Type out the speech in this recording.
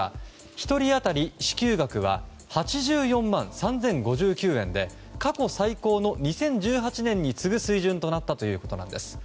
１人当たり支給額は８４万３０５９円で過去最高の２０１８年に次ぐ水準になったということです。